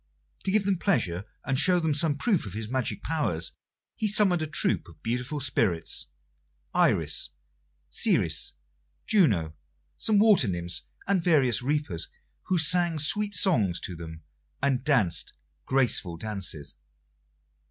To give them pleasure and show them some proof of his magic powers, he summoned a troop of beautiful spirits Iris, Ceres, Juno, some water nymphs, and various reapers, who sang sweet songs to them and danced graceful dances.